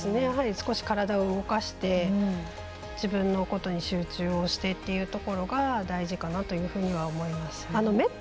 やはり少し体を動かして自分のことに集中をすることが大事かなというふうには思いますね。